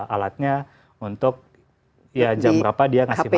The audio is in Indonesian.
alatnya untuk ya jam berapa dia ngasih makan